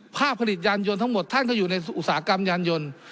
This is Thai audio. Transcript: ผลิตยานยนต์ทั้งหมดท่านก็อยู่ในอุตสาหกรรมยานยนต์